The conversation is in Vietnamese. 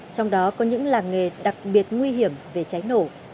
trong đó có những làng nghề đặc biệt nguy hiểm về cháy nổ